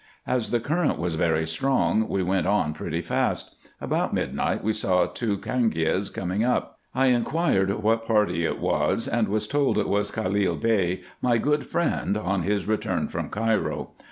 As the current was very strong, we went on pretty fast. About midnight we saw two cangias coming up. I inquired what party it was, and was told it was Calil Bey, my good friend, on his return from Cairo.